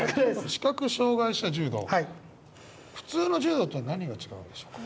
視覚障害者柔道普通の柔道とは何が違うんでしょうか？